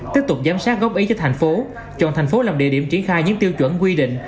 tiếp tục giám sát góp ý cho thành phố chọn thành phố làm địa điểm triển khai những tiêu chuẩn quy định